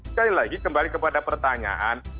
sekali lagi kembali kepada pertanyaan